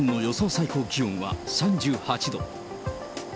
最高気温は３８度。